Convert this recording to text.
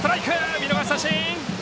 見逃し三振！